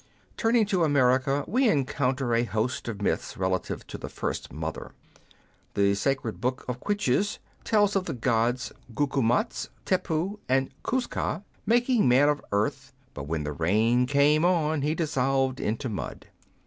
Turning to America, we encounter a host of myths relative to the first mother. The sacred book of the Quiches tells of the gods Gucumatz, Tepu, and Cuz cah making man of earth, but when the rain came on he dissolved into mud.